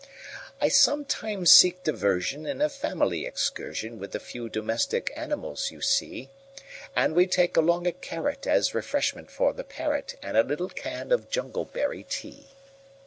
I sometimes seek diversionIn a family excursionWith the few domestic animals you see; And we take along a carrotAs refreshment for the parrot, And a little can of jungleberry tea.